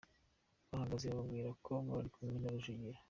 Bahageze bababwira ko bari kumwe na Rujugira.